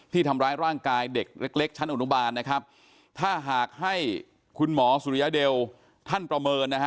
ทำร้ายร่างกายเด็กเล็กชั้นอนุบาลนะครับถ้าหากให้คุณหมอสุริยเดลท่านประเมินนะฮะ